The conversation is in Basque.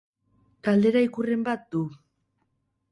Galdera ikurren bat badu.